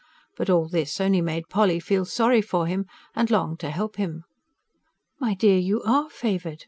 But all this only made Polly feel sorry for him, and long to help him. "My dear, you ARE favoured!